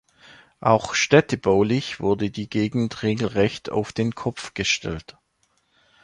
Auch städtebaulich wurde die Gegend regelrecht auf den Kopf gestellt.